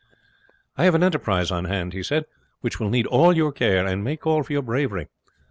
"I have an enterprise on hand," he said, "which will need all your care, and may call for your bravery.